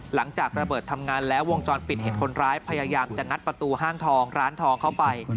หลังจากระเบิดทำงานแล้ววงจรปิดเห็นคนร้ายพยายามจะงัดประตูห้างทองร้านทองเข้าไป